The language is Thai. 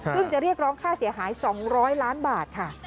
จะเรียกร้องค่าเสียหาย๒๐๐ล้านบาทค่ะ